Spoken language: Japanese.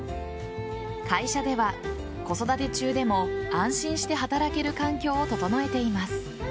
会社では子育て中でも安心して働ける環境を整えています。